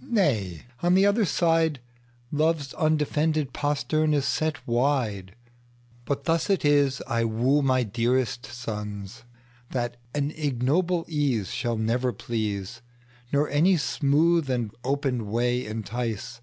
Nay, on the other sideLove's undefended postern is set wide:But thus it is I wooMy dearest sons, that an ignoble easeShall never please, Nor any smooth and open way entice.